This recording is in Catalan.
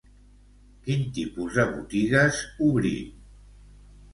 Quin tipus de botigues obrí?